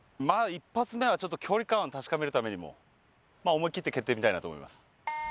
まあ１発目はちょっと距離感を確かめるためにもまあ思いきって蹴ってみたいなと思います